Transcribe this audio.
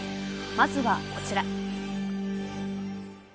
まずはこちら。